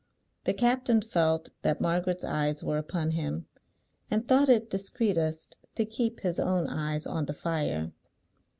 The captain felt that Margaret's eyes were upon him, and thought it discreetest to keep his own eyes on the fire.